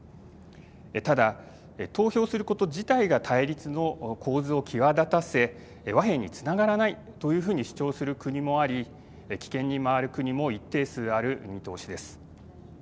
ただ投票すること自体が対立の構図を際立たせ和平につながらないというふうに主張する国もあり棄権に回る国も一定数ある見通しです。